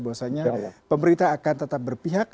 bahwasanya pemerintah akan tetap berpihak